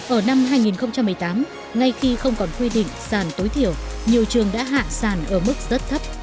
ở năm hai nghìn một mươi tám ngay khi không còn quy định sàn tối thiểu nhiều trường đã hạ sàn ở mức rất thấp